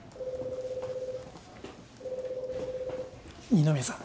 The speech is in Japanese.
二宮さん